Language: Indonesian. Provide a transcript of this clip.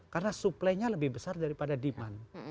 karena suplenya lebih besar daripada demand